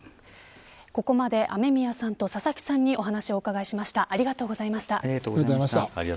ここまで雨宮さんと佐々木さんにお話を伺いました。